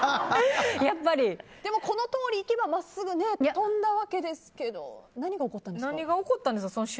でも、このとおりいけば真っすぐ飛んだわけですけど何が起こったんですか？